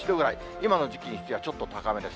今の時期にしてはちょっと高めです。